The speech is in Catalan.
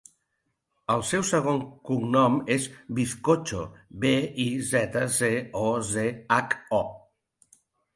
El seu cognom és Bizcocho: be, i, zeta, ce, o, ce, hac, o.